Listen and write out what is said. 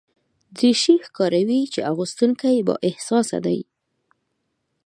دریشي ښکاروي چې اغوستونکی بااحساسه دی.